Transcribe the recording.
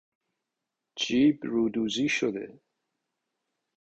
جیب رودوزی شده